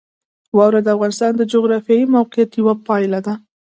واوره د افغانستان د جغرافیایي موقیعت یوه پایله ده.